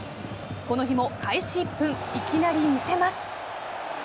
この日も開始１分いきなり見せます。